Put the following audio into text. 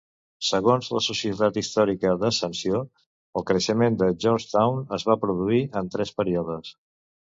Segons la Societat Històrica d'Ascensió, el creixement de Georgetown es va produir en tres períodes.